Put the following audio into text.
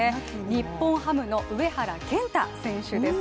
日本ハムの上原健太選手です。